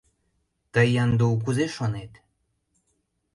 Тый, Яндул, кузе шонет?